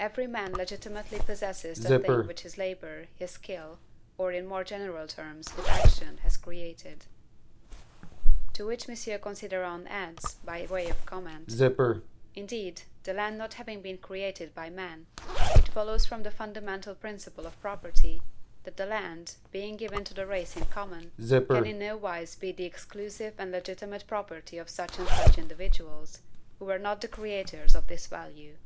"Every man legitimately possesses the thing which his labor, his skill, or, in more general terms, his action, has created." To which M. Considerant adds, by way of comment: "Indeed, the land not having been created by man, it follows from the fundamental principle of property, that the land, being given to the race in common, can in no wise be the exclusive and legitimate property of such and such individuals, who were not the creators of this value."